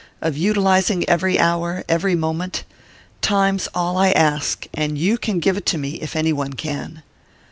of utilizing every hour, every moment.... Time's all I ask, and you can give it to me, if any one can!"